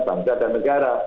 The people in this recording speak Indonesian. bangsa dan negara